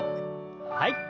はい。